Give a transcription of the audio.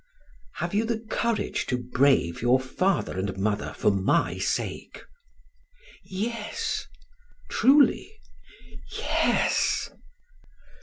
"Have you the courage to brave your father and mother for my sake?" "Yes." "Truly?" "Yes."